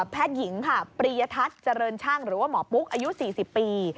หญิงค่ะปริยทัศน์เจริญช่างหรือว่าหมอปุ๊กอายุ๔๐ปี